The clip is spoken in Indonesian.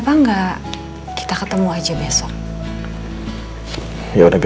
saya ingin anda menangani kasus saya dengan kebahagiaan anda